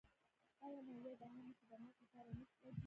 آیا مالیه د عامه خدماتو لپاره نه لګیږي؟